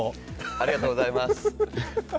ありがとうございます。